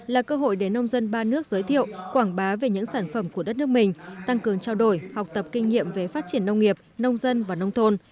là cơ hội để nông dân ba nước giới thiệu quảng bá về những sản phẩm của đất nước mình tăng cường trao đổi học tập kinh nghiệm về phát triển nông nghiệp nông dân và nông thôn